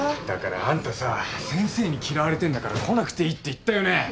だからあんたさ先生に嫌われてんだから来なくていいって言ったよね！？